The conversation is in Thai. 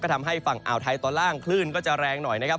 ทำให้ฝั่งอ่าวไทยตอนล่างคลื่นก็จะแรงหน่อยนะครับ